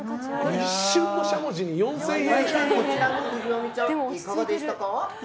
一瞬のしゃもじに４０００円。